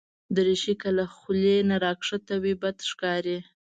دریشي که له خولې نه راښکته وي، بد ښکاري.